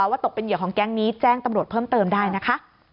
ว่าตกเป็นเหยื่อของแก๊งนี้แจ้งตำรวจเพิ่มเติมได้นะคะ